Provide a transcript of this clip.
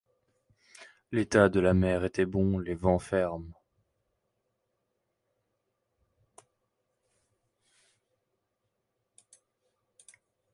L’état de la mer était bon, les vents fermes.